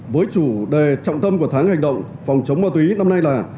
với chủ đề trọng tâm của tháng hành động phòng chống ma túy năm nay là